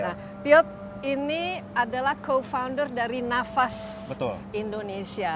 nah piot ini adalah co founder dari nafas indonesia